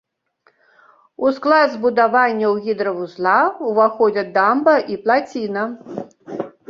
У склад збудаванняў гідравузла ўваходзяць дамба і плаціна.